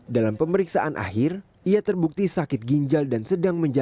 dalam pemeriksaan akhir ia terbukti sakit ginjal dan sedang menjalani